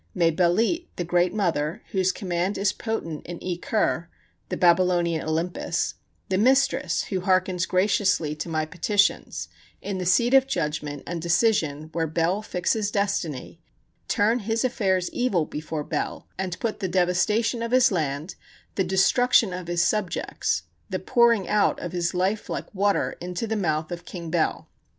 May Belit, the great Mother, whose command is potent in E Kur [the Babylonian Olympus], the Mistress, who hearkens graciously to my petitions, in the seat of judgment and decision [where Bel fixes destiny], turn his affairs evil before Bel, and put the devastation of his land, the destruction of his subjects, the pouring out of his life like water into the mouth of King Bel.